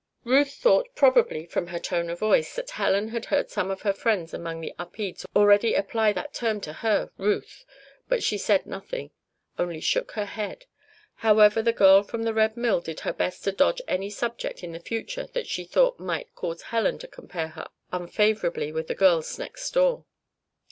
Ruth thought, probably, from her tone of voice, that Helen had heard some of her friends among the Upedes already apply that term to her, Ruth. But she said nothing only shook her head. However, the girl from the Red Mill did her best to dodge any subject in the future that she thought might cause Helen to compare her unfavorably with the girls next door.